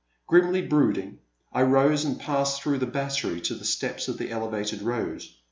Grimly brooding, I rose and passed through the Battery to the steps of the Elevated Road.